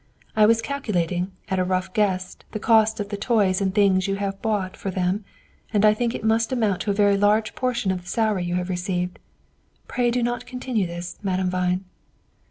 I was calculating, at a rough guess the cost of the toys and things you have bought for them, and I think it must amount to a very large portion of the salary you have received. Pray do not continue this, Madame Vine."